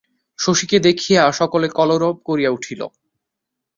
শশীকে দেখিয়া সকলে কলরব করিয়া উঠিল।